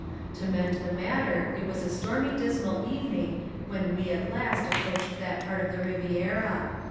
To mend the matter, it was a stormy dismal evening when we, at last, approached that part of the Riviera.